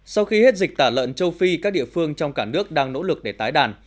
sau khi hết dịch tả lợn châu phi các địa phương trong cả nước đang nỗ lực để tái đàn